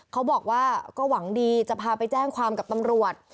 เขาบอกว่าก็หวังดีจะพาไปแจ้งความกับตำรวจ